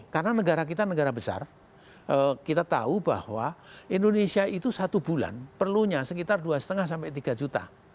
karena negara kita negara besar kita tahu bahwa indonesia itu satu bulan perlunya sekitar dua lima sampai tiga juta